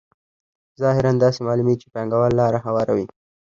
ظاهراً داسې معلومېږي چې پانګوال لار هواروي